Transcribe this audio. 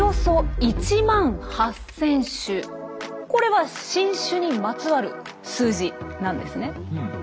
これは新種にまつわる数字なんですね。